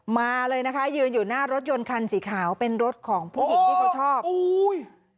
มาเลยนะคะยืนอยู่หน้ารถยนต์คันสีขาวเป็นรถของผู้หญิงที่เขาชอบอุ้ย